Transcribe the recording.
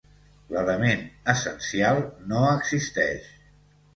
L'element essencial no existeix